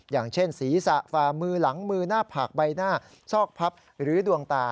อย่างเช่นศีรษะฝ่ามือหลังมือหน้าผากใบหน้าซอกพับหรือดวงตา